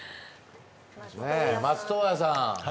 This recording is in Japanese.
松任谷さん？